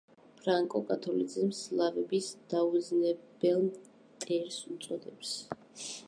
ფრანკო კათოლიციზმს „სლავების დაუძინებელ მტერს“ უწოდებს.